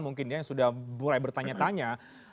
mungkin ya yang sudah mulai bertanya tanya